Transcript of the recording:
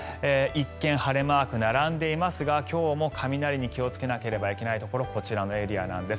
一見、晴れマークが並んでいますが今日も雷に気をつけなければならないところこちらのエリアなんです。